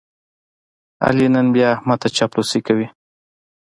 علي نن بیا احمد ته چاپلوسي کوي.